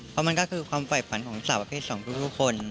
เพราะมันก็คือความฝ่ายฝันของสาวประเภทสองทุกคน